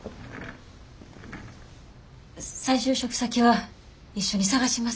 再就職先は一緒に探します。